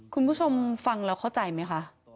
คุณผู้ชมฟังแล้วเข้าใจไหมคะ